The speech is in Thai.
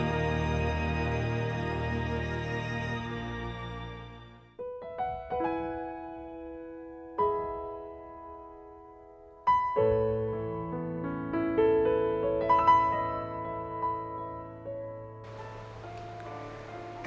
โมง